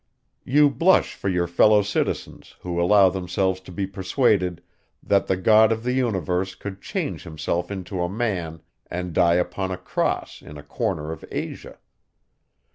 You blush for your fellow citizens, who allow themselves to be persuaded, that the God of the universe could change himself into a man, and die upon a cross in a corner of Asia.